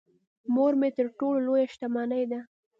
مور مې تر ټولو لويه شتمنی ده .